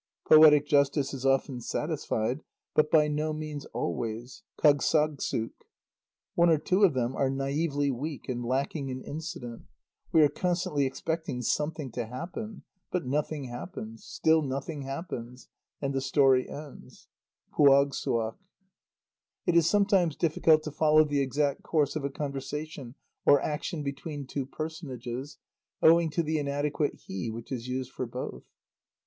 Poetic justice is often satisfied, but by no means always (Kâgssagssuk). One or two of them are naïvely weak and lacking in incident; we are constantly expecting something to happen, but nothing happens ... still nothing happens ... and the story ends (Puagssuaq). It is sometimes difficult to follow the exact course of a conversation or action between two personages, owing to the inadequate "he" which is used for both.